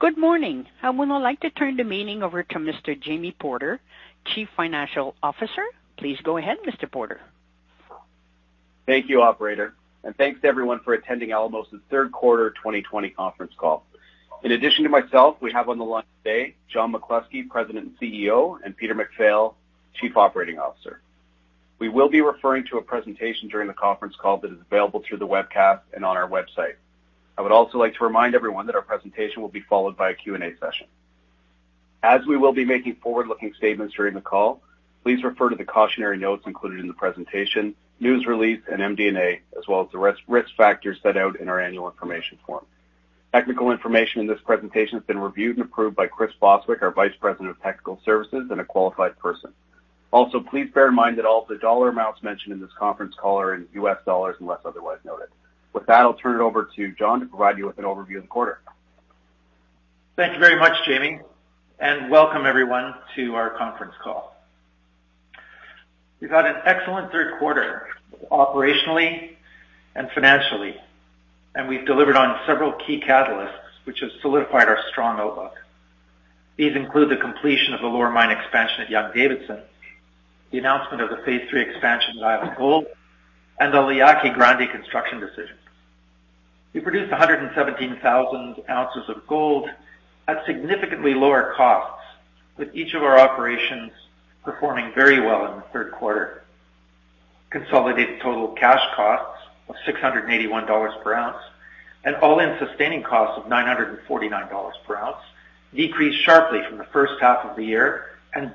Good morning. I would like to turn the meeting over to Mr. Jamie Porter, Chief Financial Officer. Please go ahead, Mr. Porter. Thank you, operator, and thanks to everyone for attending Alamos' third quarter 2020 conference call. In addition to myself, we have on the line today John McCluskey, President and CEO, and Peter MacPhail, Chief Operating Officer. We will be referring to a presentation during the conference call that is available through the webcast and on our website. I would also like to remind everyone that our presentation will be followed by a Q&A session. As we will be making forward-looking statements during the call, please refer to the cautionary notes included in the presentation, news release, and MD&A, as well as the risk factors set out in our annual information form. Technical information in this presentation has been reviewed and approved by Chris Bostwick, our Vice President of Technical Services and a qualified person. Also, please bear in mind that all of the dollar amounts mentioned in this conference call are in U.S. dollars unless otherwise noted. With that, I'll turn it over to John to provide you with an overview of the quarter. Thank you very much, Jamie, and welcome everyone to our conference call. We've had an excellent third quarter, operationally and financially, and we've delivered on several key catalysts, which have solidified our strong outlook. These include the completion of the lower mine expansion at Young-Davidson, the announcement of the Phase III Expansion at Island Gold, and the La Yaqui Grande construction decision. We produced 117,000 ounces of gold at significantly lower costs, with each of our operations performing very well in the third quarter. Consolidated total cash costs of $681 per ounce and all-in sustaining costs of $949 per ounce decreased sharply from the first half of the year.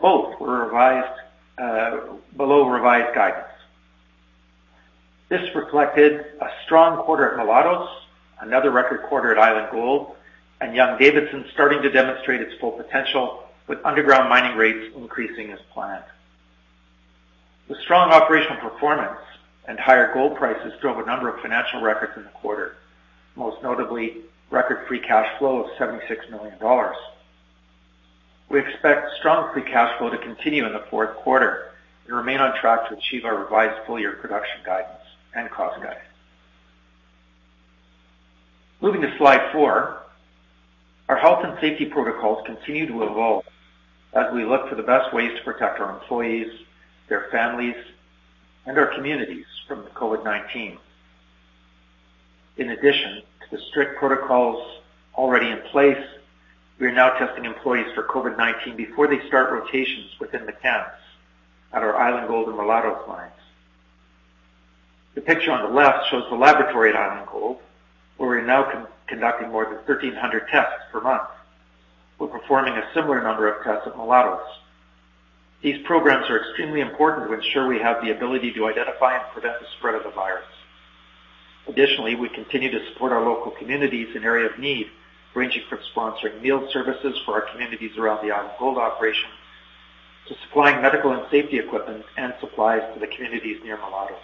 Both were below revised guidance. This reflected a strong quarter at Mulatos, another record quarter at Island Gold, and Young-Davidson starting to demonstrate its full potential with underground mining rates increasing as planned. The strong operational performance and higher gold prices drove a number of financial records in the quarter, most notably record free cash flow of $76 million. We expect strong free cash flow to continue in the fourth quarter and remain on track to achieve our revised full-year production guidance and cost guidance. Moving to slide four. Our health and safety protocols continue to evolve as we look for the best ways to protect our employees, their families, and our communities from the COVID-19. In addition to the strict protocols already in place, we are now testing employees for COVID-19 before they start rotations within the camps at our Island Gold and Mulatos mines. The picture on the left shows the laboratory at Island Gold, where we're now conducting more than 1,300 tests per month. We're performing a similar number of tests at Mulatos. These programs are extremely important to ensure we have the ability to identify and prevent the spread of the virus. Additionally, we continue to support our local communities in areas of need, ranging from sponsoring meal services for our communities around the Island Gold operation to supplying medical and safety equipment and supplies to the communities near Mulatos.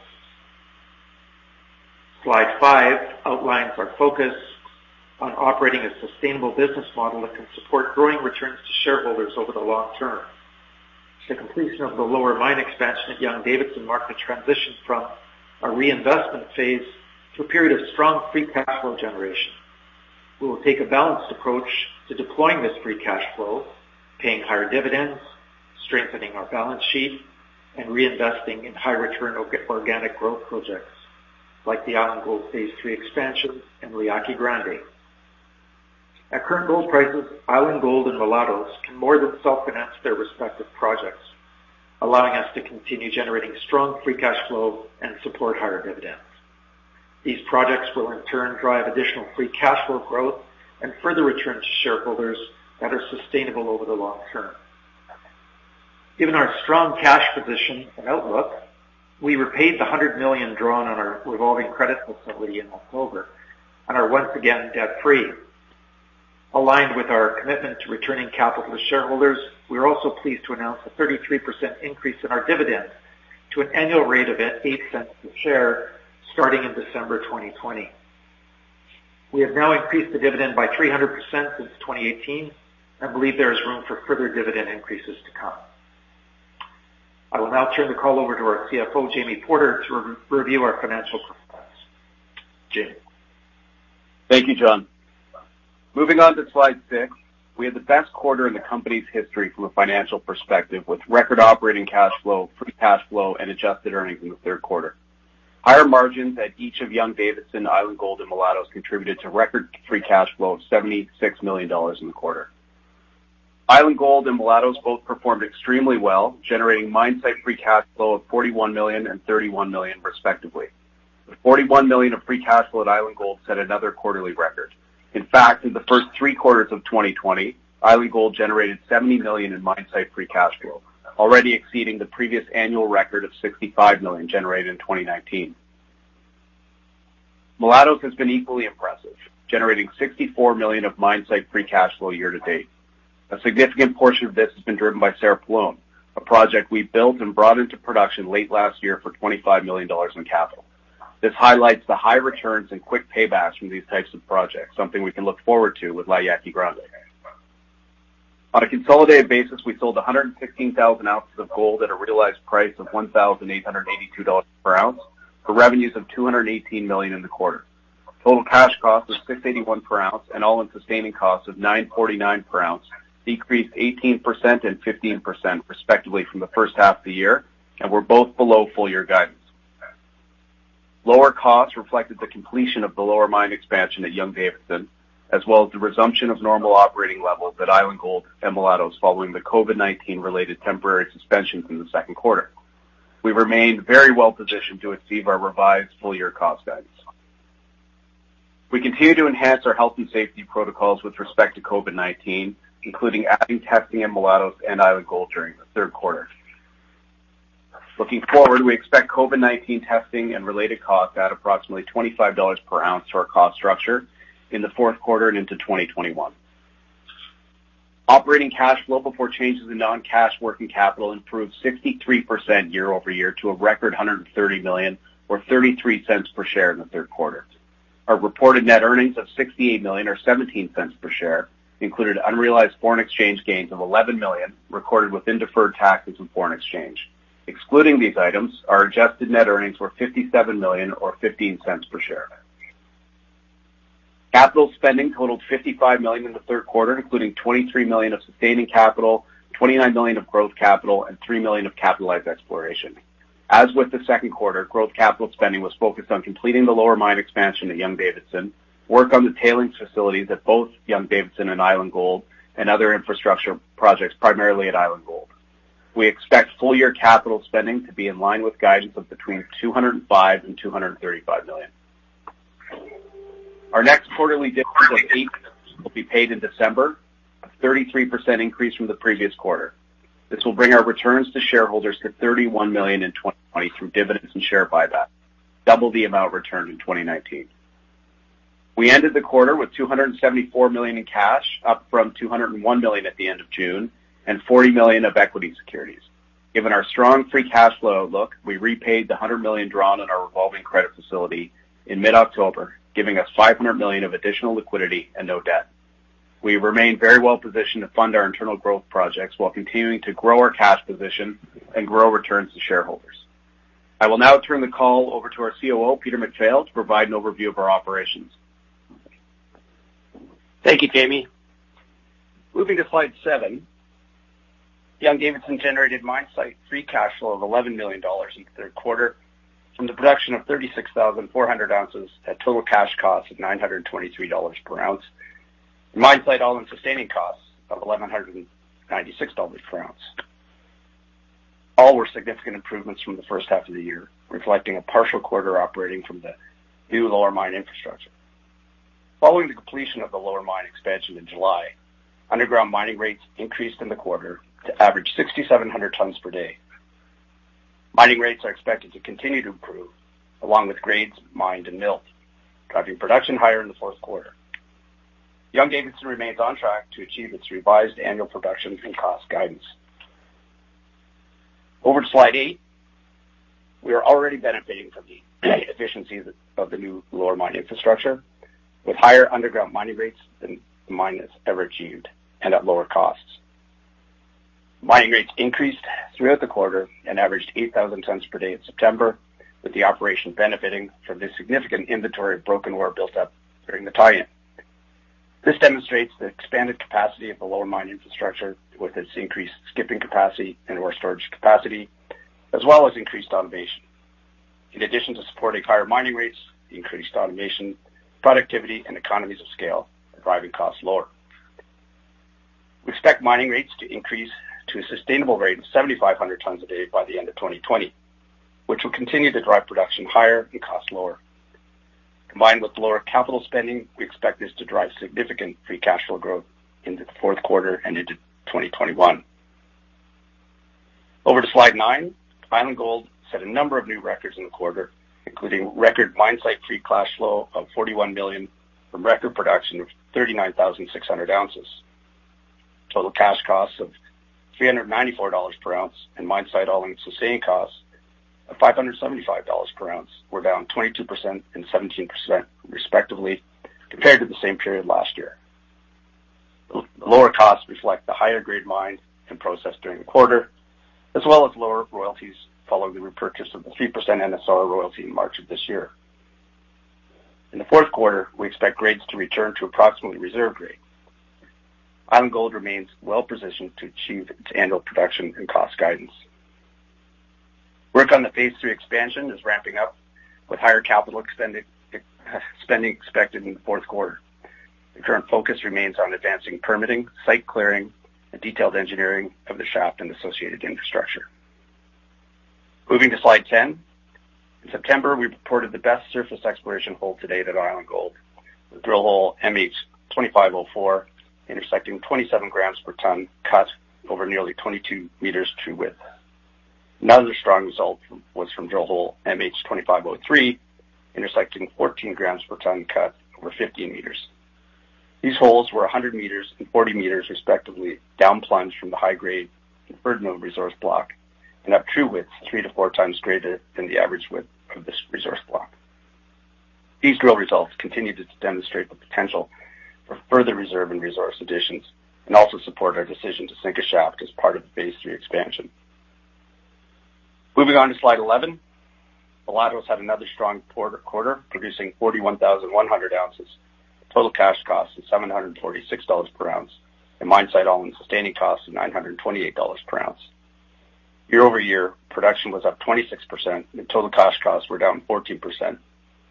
Slide five outlines our focus on operating a sustainable business model that can support growing returns to shareholders over the long term. The completion of the lower mine expansion at Young-Davidson marked a transition from a reinvestment phase to a period of strong free cash flow generation. We will take a balanced approach to deploying this free cash flow, paying higher dividends, strengthening our balance sheet, and reinvesting in high return organic growth projects like the Island Gold Phase III Expansion and La Yaqui Grande. At current gold prices, Island Gold and Mulatos can more than self-finance their respective projects, allowing us to continue generating strong free cash flow and support higher dividends. These projects will in turn drive additional free cash flow growth and further returns to shareholders that are sustainable over the long term. Given our strong cash position and outlook, we repaid the $100 million drawn on our revolving credit facility in October and are once again debt-free. Aligned with our commitment to returning capital to shareholders, we are also pleased to announce a 33% increase in our dividend to an annual rate of $0.08 a share starting in December 2020. We have now increased the dividend by 300% since 2018 and believe there is room for further dividend increases to come. I will now turn the call over to our CFO, Jamie Porter, to review our financial performance. Jamie. Thank you, John. Moving on to slide six. We had the best quarter in the company's history from a financial perspective, with record operating cash flow, free cash flow, and adjusted earnings in the third quarter. Higher margins at each of Young-Davidson, Island Gold, and Mulatos contributed to record free cash flow of $76 million in the quarter. Island Gold and Mulatos both performed extremely well, generating mine site free cash flow of $41 million and $31 million respectively. The $41 million of free cash flow at Island Gold set another quarterly record. In fact, in the first three quarters of 2020, Island Gold generated $70 million in mine site free cash flow, already exceeding the previous annual record of $65 million generated in 2019. Mulatos has been equally impressive, generating $64 million of mine site free cash flow year to date. A significant portion of this has been driven by Cerro Pelon, a project we built and brought into production late last year for $25 million in capital. This highlights the high returns and quick paybacks from these types of projects, something we can look forward to with La Yaqui Grande. On a consolidated basis, we sold 116,000 ounces of gold at a realized price of $1,882 per ounce for revenues of $218 million in the quarter. Total cash cost was $681 per ounce, and all-in sustaining costs of $949 per ounce decreased 18% and 15% respectively from the first half of the year and were both below full-year guidance. Lower costs reflected the completion of the lower mine expansion at Young-Davidson, as well as the resumption of normal operating levels at Island Gold and Mulatos following the COVID-19 related temporary suspensions in the second quarter. We remained very well positioned to achieve our revised full-year cost guidance. We continue to enhance our health and safety protocols with respect to COVID-19, including adding testing in Mulatos and Island Gold during the third quarter. Looking forward, we expect COVID-19 testing and related costs at approximately $25 per ounce to our cost structure in the fourth quarter and into 2021. Operating cash flow before changes in non-cash working capital improved 63% year-over-year to a record $130 million, or $0.33 per share in the third quarter. Our reported net earnings of $68 million, or $0.17 per share, included unrealized foreign exchange gains of $11 million recorded within deferred taxes and foreign exchange. Excluding these items, our adjusted net earnings were $57 million or $0.15 per share. Capital spending totaled $55 million in the third quarter, including $23 million of sustaining capital, $29 million of growth capital, and $3 million of capitalized exploration. As with the second quarter, growth capital spending was focused on completing the lower mine expansion at Young-Davidson, work on the tailings facilities at both Young-Davidson and Island Gold, and other infrastructure projects, primarily at Island Gold. We expect full-year capital spending to be in line with guidance of between $205 million and $235 million. Our next quarterly dividend of $0.08 will be paid in December, a 33% increase from the previous quarter. This will bring our returns to shareholders to $31 million in 2020 through dividends and share buyback, double the amount returned in 2019. We ended the quarter with $274 million in cash, up from $201 million at the end of June, and $40 million of equity securities. Given our strong free cash flow outlook, we repaid the $100 million drawn on our revolving credit facility in mid-October, giving us $500 million of additional liquidity and no debt. We remain very well positioned to fund our internal growth projects while continuing to grow our cash position and grow returns to shareholders. I will now turn the call over to our COO, Peter MacPhail, to provide an overview of our operations. Thank you, Jamie. Moving to slide seven. Young-Davidson generated mine site free cash flow of $11 million in the third quarter from the production of 36,400 ounces at total cash costs of $923 per ounce and mine site all-in sustaining costs of $1,196 per ounce. All were significant improvements from the first half of the year, reflecting a partial quarter operating from the new lower mine infrastructure. Following the completion of the lower mine expansion in July, underground mining rates increased in the quarter to average 6,700 tons per day. Mining rates are expected to continue to improve along with grades mined and milled, driving production higher in the fourth quarter. Young-Davidson remains on track to achieve its revised annual production and cost guidance. Over to slide eight. We are already benefiting from the efficiencies of the new lower mine infrastructure with higher underground mining rates than the mine has ever achieved and at lower costs. Mining rates increased throughout the quarter and averaged 8,000 tons per day in September, with the operation benefiting from the significant inventory of broken ore built up during the tie-in. This demonstrates the expanded capacity of the lower mine infrastructure with its increased skipping capacity and ore storage capacity, as well as increased automation. In addition to supporting higher mining rates, increased automation, productivity, and economies of scale are driving costs lower. We expect mining rates to increase to a sustainable rate of 7,500 tons a day by the end of 2020, which will continue to drive production higher and costs lower. Combined with lower capital spending, we expect this to drive significant free cash flow growth into the fourth quarter and into 2021. Over to slide nine. Island Gold set a number of new records in the quarter, including record mine site free cash flow of $41 million from record production of 39,600 ounces. Total cash costs of $394 per ounce and mine site all-in sustaining costs of $575 per ounce were down 22% and 17% respectively compared to the same period last year. Lower costs reflect the higher-grade mined and processed during the quarter, as well as lower royalties following the repurchase of the 3% NSR royalty in March of this year. In the fourth quarter, we expect grades to return to approximately reserve grade. Island Gold remains well-positioned to achieve its annual production and cost guidance. Work on the Phase III Expansion is ramping up with higher capital spending expected in the fourth quarter. The current focus remains on advancing permitting, site clearing, and detailed engineering of the shaft and associated infrastructure. Moving to slide 10. In September, we reported the best surface exploration hole to date at Island Gold, with drill hole MH25-04 intersecting 27 grams per ton cut over nearly 22 meters true width. Another strong result was from drill hole MH25-03, intersecting 14 grams per ton cut over 50 meters. These holes were 100 meters and 40 meters respectively down-plunge from the high-grade inferred resource block and have true widths three to four times greater than the average width These drill results continue to demonstrate the potential for further reserve and resource additions and also support our decision to sink a shaft as part of the Phase III Expansion. Moving on to slide 11. Mulatos had another strong quarter, producing 41,100 ounces, total cash costs of $746 per ounce, and mine-site all-in sustaining costs of $928 per ounce. Year-over-year, production was up 26% and total cash costs were down 14%,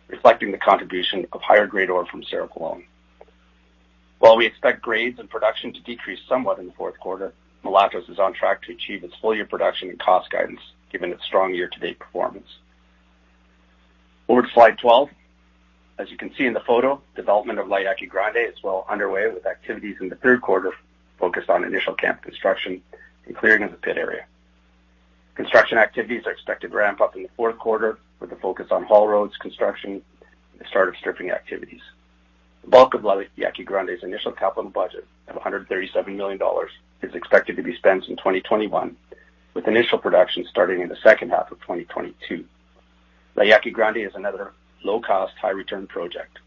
reflecting the contribution of higher-grade ore from Cerro Pelon. While we expect grades and production to decrease somewhat in the fourth quarter, Mulatos is on track to achieve its full-year production and cost guidance, given its strong year-to-date performance. Over to slide 12. As you can see in the photo, development of La Yaqui Grande is well underway, with activities in the third quarter focused on initial camp construction and clearing of the pit area. Construction activities are expected to ramp up in the fourth quarter with a focus on haul roads construction and the start of stripping activities. The bulk of La Yaqui Grande's initial capital budget of $137 million is expected to be spent in 2021, with initial production starting in the second half of 2022. La Yaqui Grande is another low-cost, high-return project.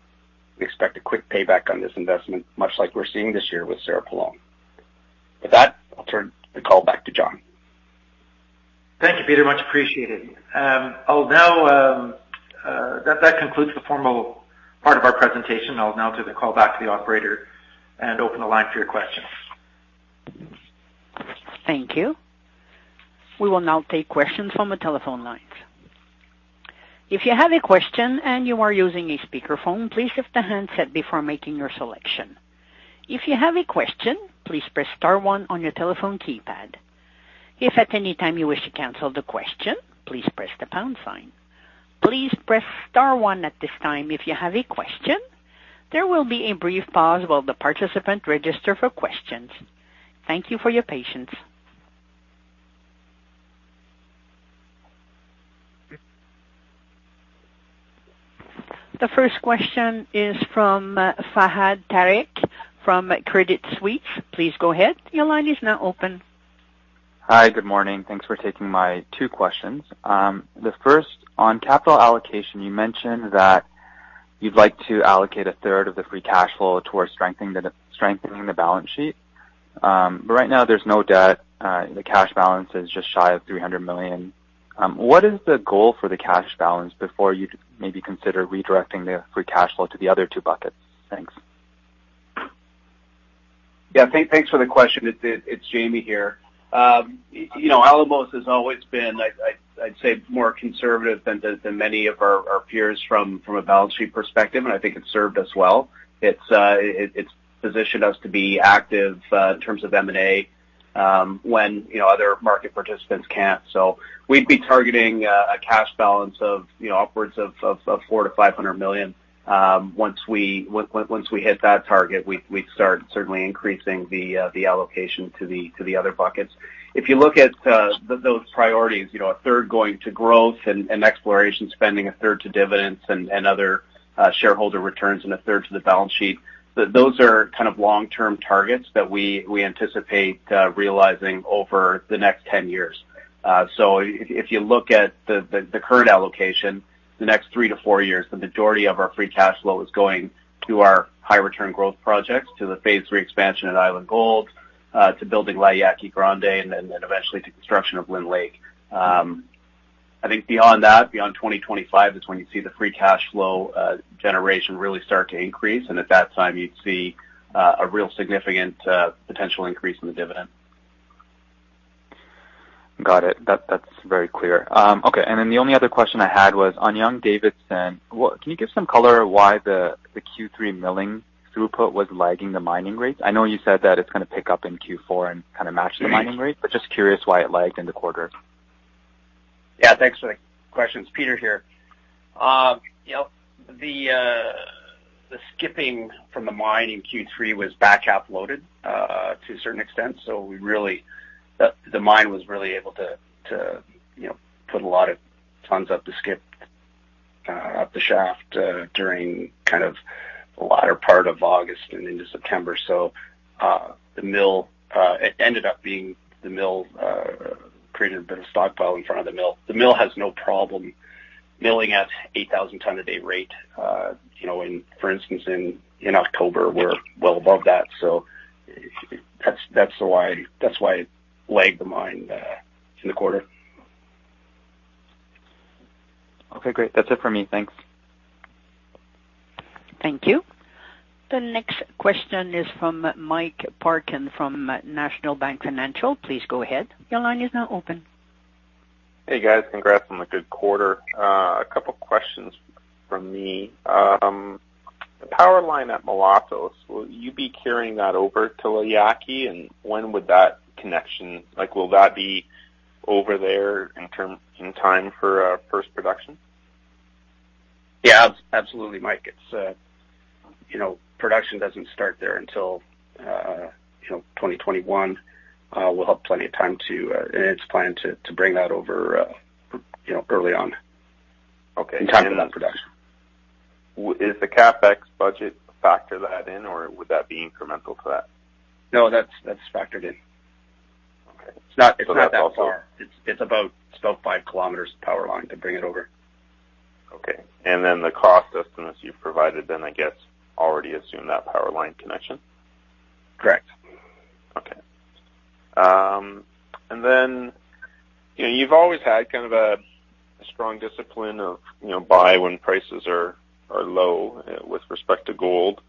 We expect a quick payback on this investment, much like we're seeing this year with Cerro Pelon. With that, I'll turn the call back to John. Thank you, Peter. Much appreciated. That concludes the formal part of our presentation. I will now turn the call back to the operator and open the line for your questions. Thank you. We will now take questions from the telephone lines. If you have a question and you are using a speakerphone, please lift the handset before making your selection. If you have a question, please press star one on your telephone keypad. If at any time you wish to cancel the question, please press the pound sign. Please press star one at this time if you have a question. There will be a brief pause while the participant register for questions. Thank you for your patience. The first question is from Fahad Tariq from Credit Suisse. Please go ahead. Your line is now open. Hi. Good morning. Thanks for taking my two questions. The first, on capital allocation, you mentioned that you'd like to allocate a third of the free cash flow towards strengthening the balance sheet. Right now there's no debt. The cash balance is just shy of $300 million. What is the goal for the cash balance before you maybe consider redirecting the free cash flow to the other two buckets? Thanks. Yeah. Thanks for the question. It's Jamie here. Alamos has always been, I'd say, more conservative than many of our peers from a balance sheet perspective, and I think it's served us well. It's positioned us to be active in terms of M&A when other market participants can't. We'd be targeting a cash balance upwards of $400 million-$500 million. Once we hit that target, we'd start certainly increasing the allocation to the other buckets. If you look at those priorities, a third going to growth and exploration spending, a third to dividends and other shareholder returns, and a third to the balance sheet. Those are kind of long-term targets that we anticipate realizing over the next 10 years. If you look at the current allocation, the next three to four years, the majority of our free cash flow is going to our high-return growth projects, to the Phase III Expansion at Island Gold, to building La Yaqui Grande, and then eventually to construction of Lynn Lake. I think beyond that, beyond 2025 is when you see the free cash flow generation really start to increase, and at that time you'd see a real significant potential increase in the dividend. Got it. That's very clear. Okay, the only other question I had was on Young-Davidson. Can you give some color why the Q3 milling throughput was lagging the mining rates? I know you said that it's going to pick up in Q4 and kind of match the mining rates, just curious why it lagged in the quarter. Yeah. Thanks for the questions. Peter here. The skipping from the mine in Q3 was back half loaded to a certain extent. The mine was really able to put a lot of tons up the shaft during the latter part of August and into September. It ended up creating a bit of stockpile in front of the mill. The mill has no problem milling at 8,000 ton a day rate. For instance, in October we're well above that. That's why it lagged the mine in the quarter. Okay, great. That's it for me. Thanks. Thank you. The next question is from Mike Parkin from National Bank Financial. Hey, guys. Congrats on the good quarter. A couple questions from me. The power line at Mulatos, will you be carrying that over to La Yaqui? When will that be over there in time for first production? Yeah, absolutely, Mike. Production doesn't start there until 2021. We'll have plenty of time, and it's planned to bring that over early on. Okay. In time for that production. Is the CapEx budget factor that in, or would that be incremental to that? No, that's factored in. It's not that far. It's about 5 km power line to bring it over. Okay. The cost estimates you've provided then, I guess, already assume that power line connection? Correct. Okay. You've always had kind of a strong discipline of buy when prices are low with respect to gold.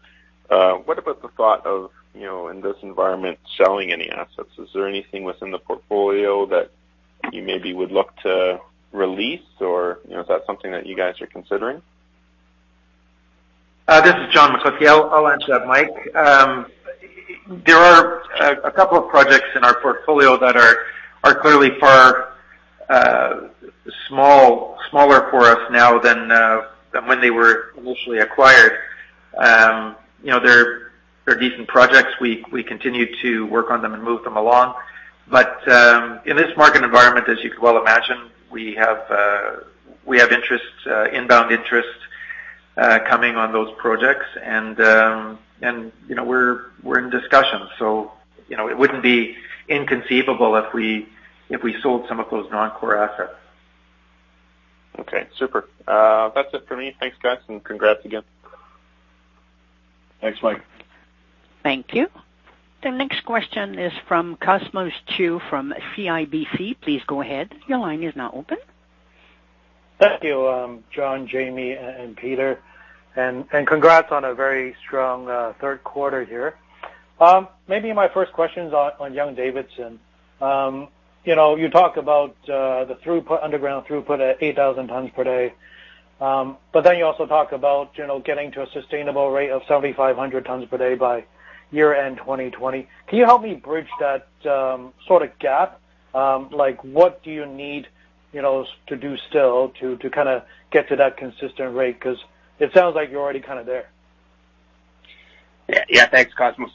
What about the thought of, in this environment, selling any assets? Is there anything within the portfolio that you maybe would look to release, or is that something that you guys are considering? This is John McCluskey. I'll answer that, Mike. There are a couple of projects in our portfolio that are clearly far smaller for us now than when they were initially acquired. They're decent projects. We continue to work on them and move them along. In this market environment, as you could well imagine, we have inbound interest coming on those projects. We're in discussions. It wouldn't be inconceivable if we sold some of those non-core assets. Okay, super. That's it for me. Thanks, guys, and congrats again. Thanks, Mike. Thank you. The next question is from Cosmos Chiu from CIBC. Please go ahead. Thank you, John, Jamie, and Peter. Congrats on a very strong third quarter here. My first question is on Young-Davidson. You talk about the underground throughput at 8,000 tons per day. You also talk about getting to a sustainable rate of 7,500 tons per day by year-end 2020. Can you help me bridge that sort of gap? What do you need to do still to kind of get to that consistent rate? It sounds like you're already kind of there. Yeah. Thanks, Cosmos.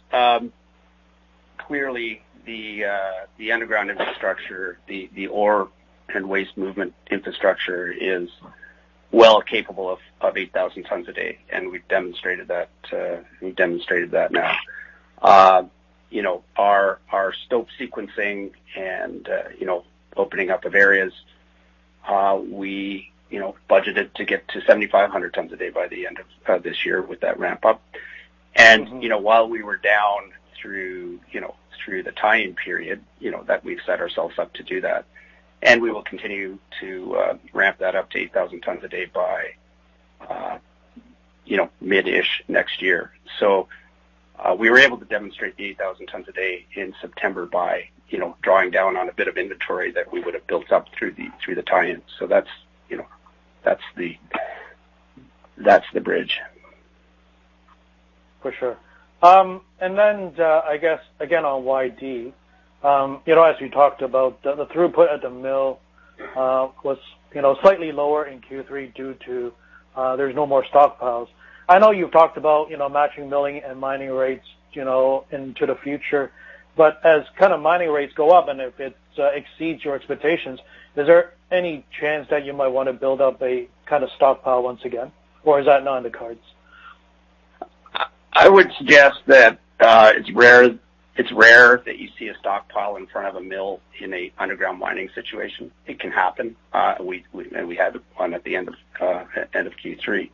Clearly, the underground infrastructure, the ore and waste movement infrastructure is well capable of 8,000 tons a day, and we've demonstrated that now. Our stope sequencing and opening up of areas, we budgeted to get to 7,500 tons a day by the end of this year with that ramp up. While we were down through the tie-in period, that we've set ourselves up to do that. We will continue to ramp that up to 8,000 tons a day by mid-ish next year. We were able to demonstrate the 8,000 tons a day in September by drawing down on a bit of inventory that we would have built up through the tie-ins. That's the bridge. For sure. I guess again, on YD, as you talked about the throughput at the mill was slightly lower in Q3 due to there's no more stockpiles. I know you've talked about matching milling and mining rates into the future. As mining rates go up and if it exceeds your expectations, is there any chance that you might want to build up a stockpile once again, or is that not in the cards? I would suggest that it's rare that you see a stockpile in front of a mill in a underground mining situation. It can happen. We had one at the end of Q3.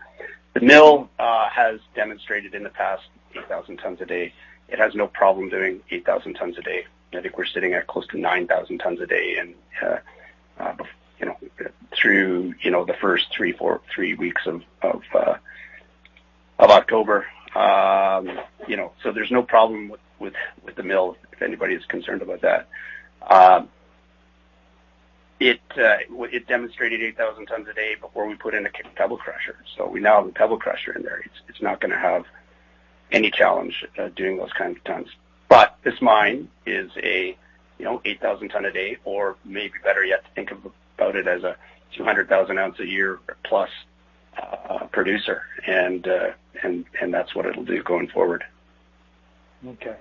The mill has demonstrated in the past 8,000 tons a day. It has no problem doing 8,000 tons a day. I think we're sitting at close to 9,000 tons a day through the first three weeks of October. There's no problem with the mill if anybody is concerned about that. It demonstrated 8,000 tons a day before we put in a pebble crusher. We now have a pebble crusher in there. It's not going to have any challenge doing those kinds of tons. This mine is a 8,000 ton a day or maybe better yet to think about it as a 200,000 ounce a year plus producer. That's what it'll do going forward. Okay.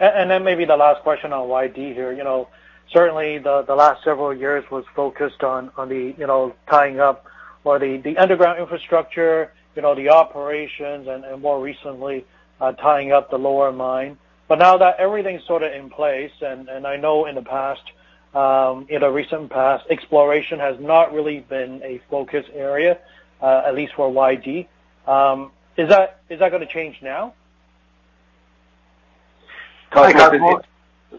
Maybe the last question on YD here. Certainly, the last several years was focused on the tying up or the underground infrastructure, the operations, and more recently, tying up the lower mine. Now that everything's sort of in place, and I know in the recent past, exploration has not really been a focus area, at least for YD. Is that going to change now? Cosmos,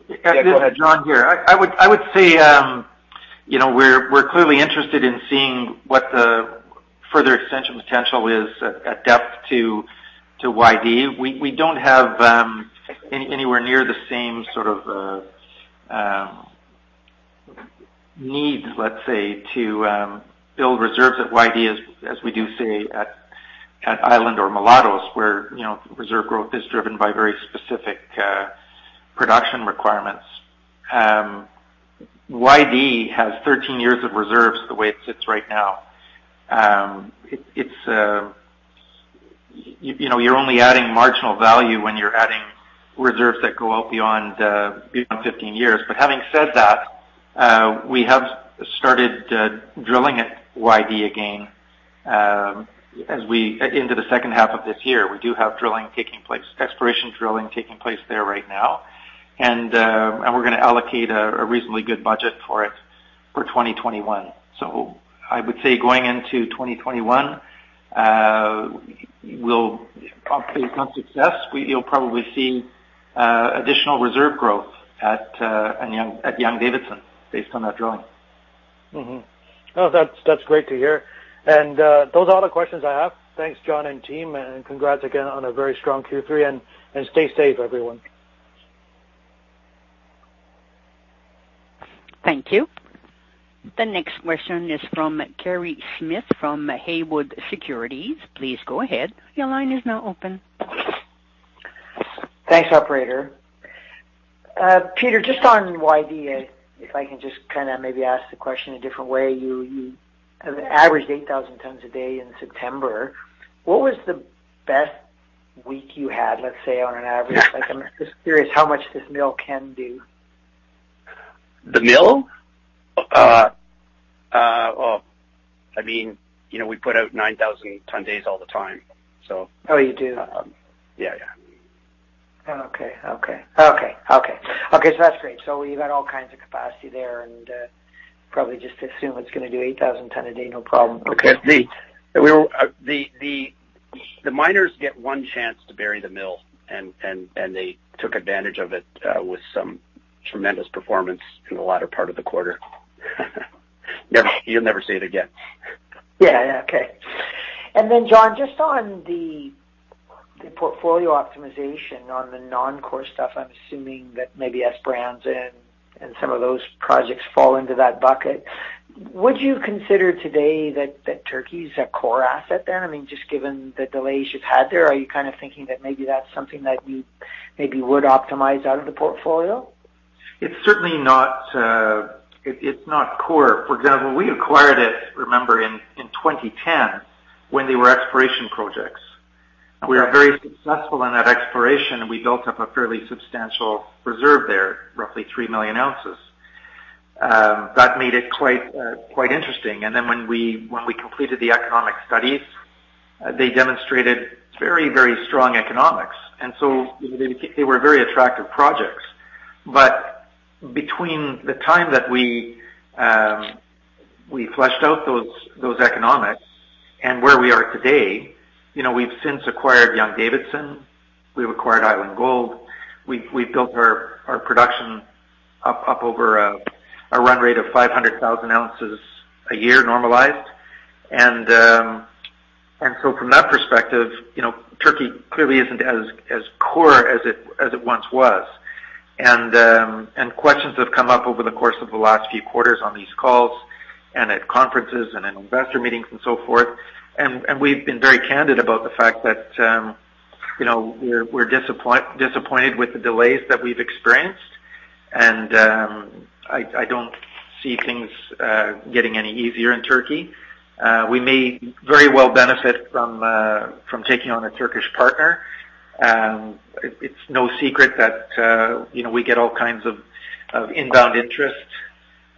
this is. This is John here. I would say we're clearly interested in seeing what the further extension potential is at depth to YD. We don't have anywhere near the same sort of needs, let's say, to build reserves at YD as we do, say, at Island or Mulatos, where reserve growth is driven by very specific production requirements. YD has 13 years of reserves the way it sits right now. You're only adding marginal value when you're adding reserves that go out beyond 15 years. Having said that, we have started drilling at YD again. As we get into the second half of this year, we do have exploration drilling taking place there right now, and we're going to allocate a reasonably good budget for it for 2021. I would say going into 2021, we'll update on success. You'll probably see additional reserve growth at Young-Davidson based on that drilling. No, that's great to hear. Those are all the questions I have. Thanks, John and team, and congrats again on a very strong Q3, and stay safe, everyone. Thank you. The next question is from Kerry Smith from Haywood Securities. Please go ahead. Thanks, operator. Peter, just on YD, if I can just maybe ask the question a different way. You have averaged 8,000 tons a day in September. What was the best week you had, let's say, on an average? I'm just curious how much this mill can do. The mill? We put out 9,000 ton days all the time. Oh, you do? Yeah. Okay. That's great. You've got all kinds of capacity there, and probably just assume it's going to do 8,000 ton a day, no problem. Okay. The miners get one chance to bury the mill, and they took advantage of it with some tremendous performance in the latter part of the quarter. You'll never see it again. Yeah. Okay. John, just on the portfolio optimization on the non-core stuff, I'm assuming that maybe Esperanza and some of those projects fall into that bucket. Would you consider today that Turkey's a core asset there? Just given the delays you've had there, are you thinking that maybe that's something that you maybe would optimize out of the portfolio? It's certainly not core. For example, we acquired it, remember, in 2010 when they were exploration projects. We were very successful in that exploration, and we built up a fairly substantial reserve there, roughly 3 million ounces. That made it quite interesting. When we completed the economic studies, they demonstrated very strong economics. They were very attractive projects. Between the time that we fleshed out those economics and where we are today, we've since acquired Young-Davidson, we've acquired Island Gold, we've built our production up over a run rate of 500,000 ounces a year normalized. From that perspective, Turkey clearly isn't as core as it once was. Questions have come up over the course of the last few quarters on these calls and at conferences and investor meetings and so forth, and we've been very candid about the fact that we're disappointed with the delays that we've experienced. I don't see things getting any easier in Turkey. We may very well benefit from taking on a Turkish partner. It's no secret that we get all kinds of inbound interest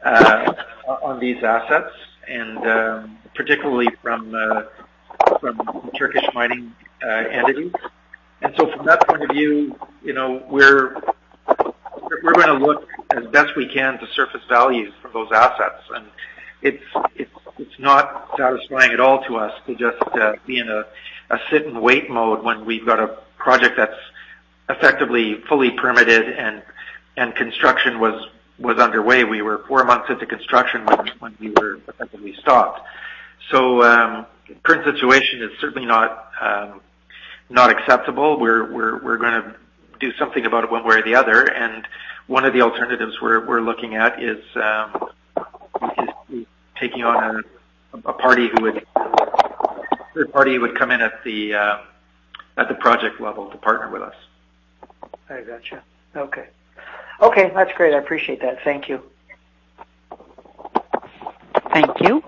on these assets, and particularly from Turkish mining entities. From that point of view, we're going to look as best we can to surface values for those assets. It's not satisfying at all to us to just be in a sit-and-wait mode when we've got a project that's effectively fully permitted, and construction was underway. We were four months into construction when we were effectively stopped. Current situation is certainly not acceptable. We're going to do something about it one way or the other. One of the alternatives we're looking at is taking on a party who would come in at the project level to partner with us. I got you. Okay. Okay, that's great. I appreciate that. Thank you. Thank you.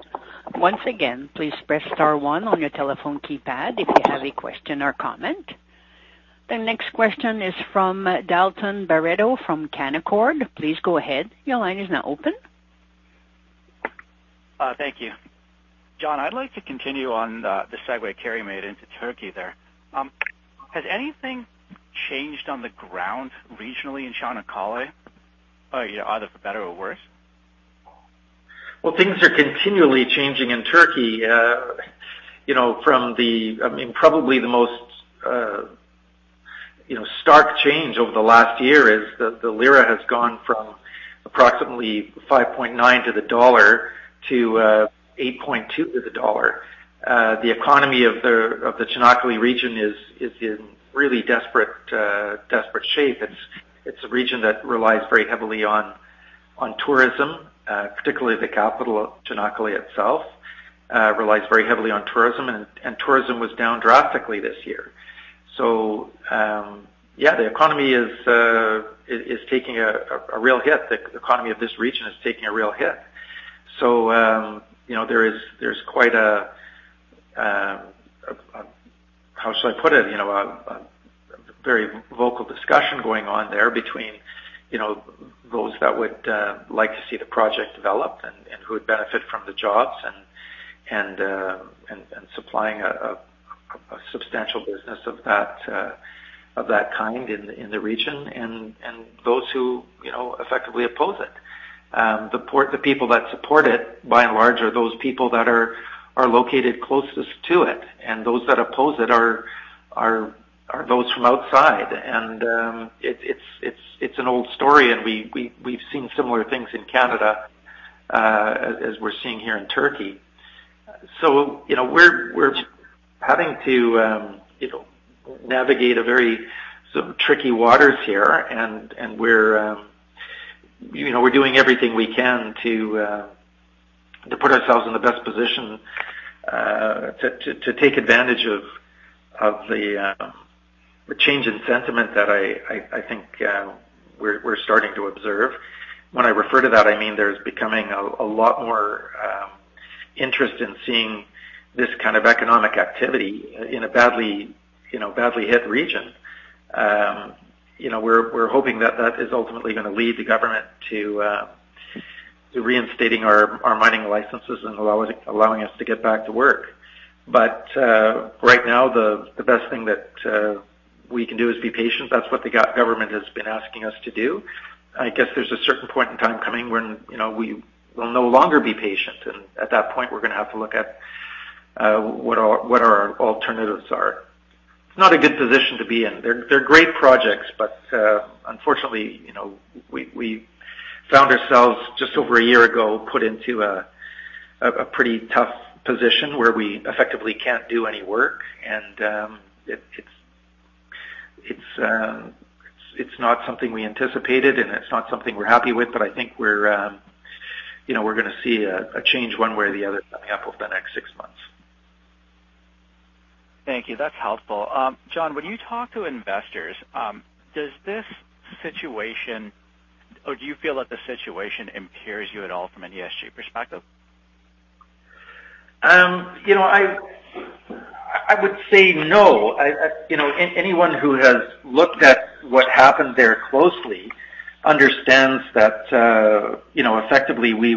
The next question is from Dalton Baretto from Canaccord Genuity. Thank you. John, I'd like to continue on the segue Kerry made into Turkey there. Has anything changed on the ground regionally in Çanakkale, either for better or worse? Well, things are continually changing in Turkey. Probably the most stark change over the last year is that the lira has gone from approximately 5.9 to the dollar to 8.2 to the dollar. The economy of the Çanakkale region is in really desperate shape. It's a region that relies very heavily on tourism, particularly the capital of Çanakkale itself relies very heavily on tourism, and tourism was down drastically this year. Yeah, the economy is taking a real hit. The economy of this region is taking a real hit. There's quite a very vocal discussion going on there between those that would like to see the project develop and who would benefit from the jobs, and supplying a substantial business of that kind in the region, and those who effectively oppose it. The people that support it, by and large, are those people that are located closest to it, and those that oppose it are those from outside. It's an old story, and we've seen similar things in Canada as we're seeing here in Turkey. We're having to navigate a very sort of tricky waters here, and we're doing everything we can to put ourselves in the best position to take advantage of the change in sentiment that I think we're starting to observe. When I refer to that, I mean there's becoming a lot more interest in seeing this kind of economic activity in a badly hit region. We're hoping that that is ultimately going to lead the government to reinstating our mining licenses and allowing us to get back to work. Right now, the best thing that we can do is be patient. That's what the government has been asking us to do. I guess there's a certain point in time coming when we will no longer be patient, and at that point, we're going to have to look at what our alternatives are. It's not a good position to be in. They're great projects, but unfortunately, we found ourselves just over a year ago, put into a pretty tough position where we effectively can't do any work. It's not something we anticipated, and it's not something we're happy with, but I think we're going to see a change one way or the other on the approval for the next six months. Thank you. That's helpful. John, when you talk to investors, does this situation Or do you feel that the situation impairs you at all from an ESG perspective? I would say no. Anyone who has looked at what happened there closely understands that effectively we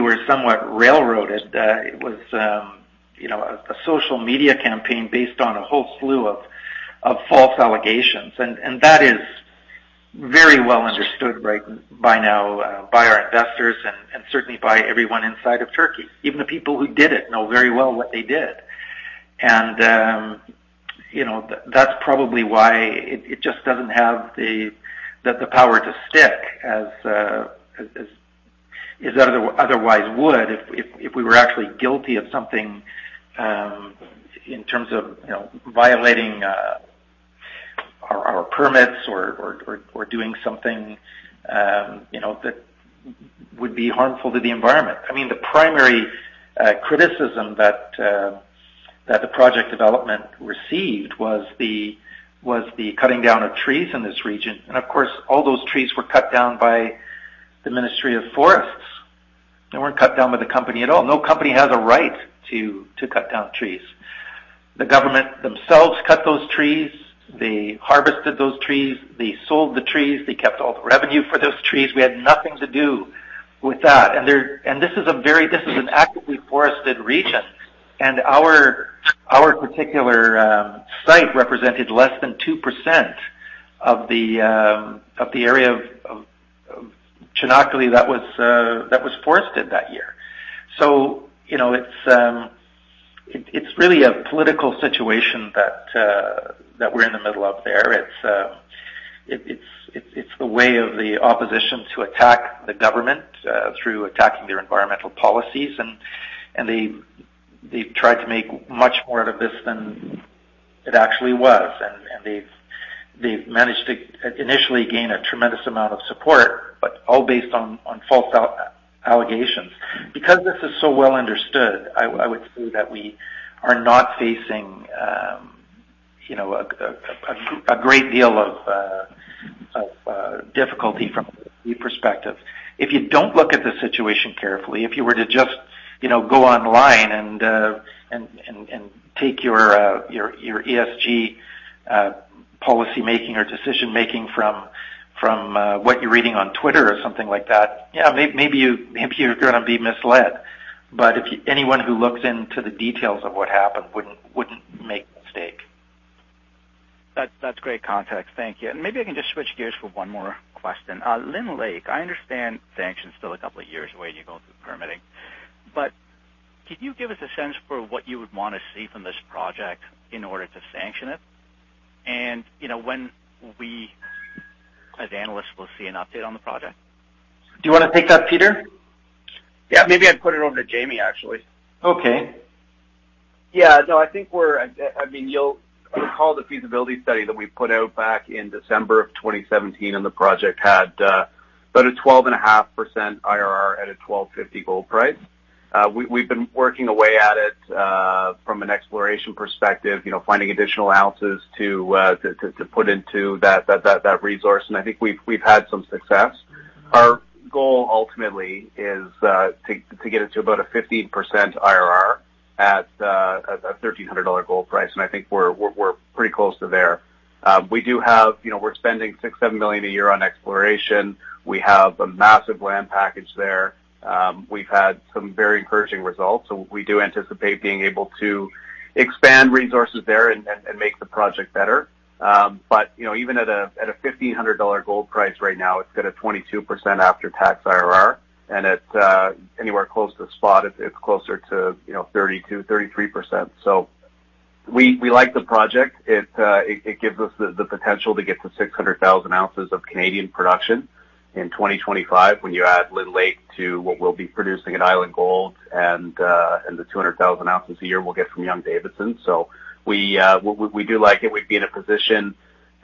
were somewhat railroaded. It was a social media campaign based on a whole slew of false allegations, and that is very well understood right by now by our investors and certainly by everyone inside of Turkey. Even the people who did it know very well what they did. That's probably why it just doesn't have the power to stick as it otherwise would if we were actually guilty of something in terms of violating our permits or doing something that would be harmful to the environment. I mean, the primary criticism that the project development received was the cutting down of trees in this region. Of course, all those trees were cut down by the Ministry of Forests. They weren't cut down by the company at all. No company has a right to cut down trees. The government themselves cut those trees. They harvested those trees. They sold the trees. They kept all the revenue for those trees. We had nothing to do with that. This is a very actively forested region, and our particular site represented less than 2% of the area of Çanakkale that was forested that year. It's really a political situation that we're in the middle of there. It's the way of the opposition to attack the government through attacking their environmental policies, and they've tried to make much more out of this than it actually was. They've managed to initially gain a tremendous amount of support, but all based on false allegations. This is so well understood, I would say that we are not facing a great deal of difficulty from a perspective. If you don't look at the situation carefully, if you were to just go online and take your ESG policymaking or decision-making from what you're reading on Twitter or something like that, yeah, maybe you're going to be misled. Anyone who looks into the details of what happened wouldn't make the mistake. That's great context. Thank you. Maybe I can just switch gears for one more question. Lynn Lake, I understand sanction's still a couple of years away, and you're going through permitting, but can you give us a sense for what you would want to see from this project in order to sanction it? When we, as analysts, will see an update on the project? Do you want to take that, Peter? Yeah. Maybe I'd put it over to Jamie, actually. Okay. You'll recall the feasibility study that we put out back in December of 2017. The project had about a 12.5% IRR at a $1,250 gold price. We've been working away at it from an exploration perspective, finding additional ounces to put into that resource, and I think we've had some success. Our goal ultimately is to get it to about a 15% IRR at a $1,300 gold price, and I think we're pretty close to there. We're spending $6 million-$7 million a year on exploration. We have a massive land package there. We've had some very encouraging results, so we do anticipate being able to expand resources there and make the project better. Even at a $1,500 gold price right now, it's got a 22% after-tax IRR, and at anywhere close to spot, it's closer to 32%-33%. We like the project. It gives us the potential to get to 600,000 ounces of Canadian production in 2025 when you add Lynn Lake to what we'll be producing at Island Gold and the 200,000 ounces a year we'll get from Young-Davidson. We do like it. We'd be in a position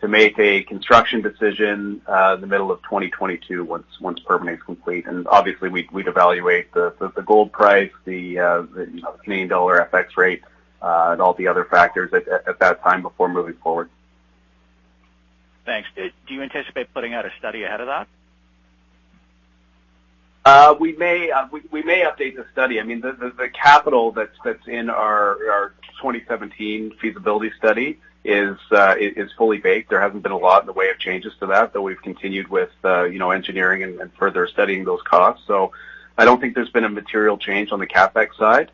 to make a construction decision in the middle of 2022 once permitting is complete. Obviously, we'd evaluate the gold price, the Canadian dollar FX rate, and all the other factors at that time before moving forward. Thanks. Do you anticipate putting out a study ahead of that? We may update the study. The capital that's in our 2017 feasibility study is fully baked. There hasn't been a lot in the way of changes to that, though we've continued with engineering and further studying those costs. I don't think there's been a material change on the CapEx side.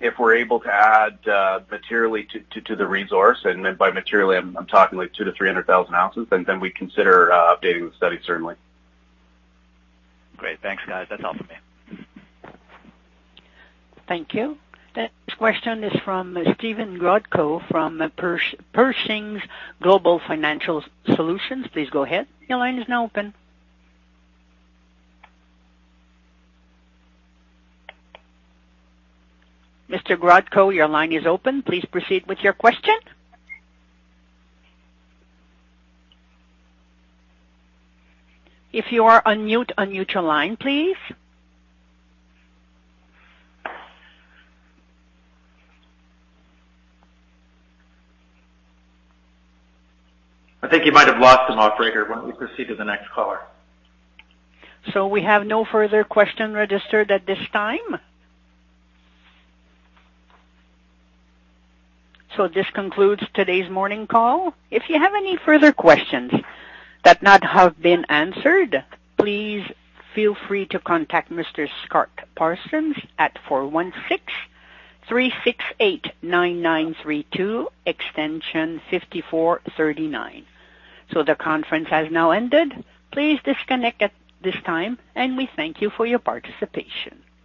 If we're able to add materially to the resource, and by materially, I'm talking like 200,000-300,000 ounces, then we'd consider updating the study, certainly. Great. Thanks, guys. That's all for me. Thank you. Next question is from Steven Grodko from Pershing Global Financial Solutions. Please go ahead. Mr. Grodko, your line is open. Please proceed with your question. If you are on mute, unmute your line, please. I think you might have lost him, operator. Why don't we proceed to the next caller? We have no further question registered at this time. This concludes today's morning call. If you have any further questions that not have been answered, please feel free to contact Mr. Scott Parsons at 416-368-9932, extension 5439. The conference has now ended. Please disconnect at this time, and we thank you for your participation.